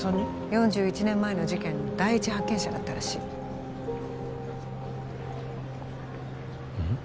４１年前の事件の第一発見者だったらしいうん？